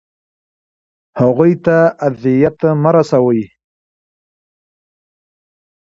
هغوی ته اذیت مه رسوئ.